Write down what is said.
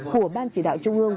của ban chỉ đạo trung ương